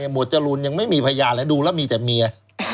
วดจรูนยังไม่มีพยานเลยดูแล้วมีแต่เมีย